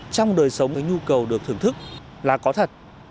trong đời sống cái nhu cầu được thưởng thức là có thật